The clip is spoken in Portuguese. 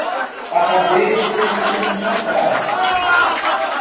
Acabei de conhecer no jantar